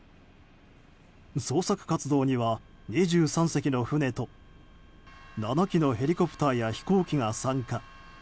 捜索活動には２３隻の船と７機のヘリコプターや飛行機が参加。